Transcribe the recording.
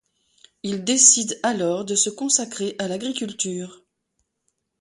Il décide alors de se consacrer à l'agriculture.